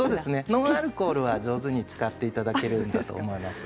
ノンアルコールは上手に使っていただければと思います。